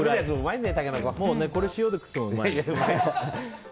もう、これを塩で食ってもうまいね。